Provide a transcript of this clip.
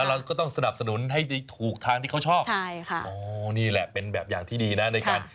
เราก็ต้องสนับสนุนให้ถูกทางที่เขาชอบใช่ค่ะอ๋อนี่แหละเป็นแบบอย่างที่ดีนะในการ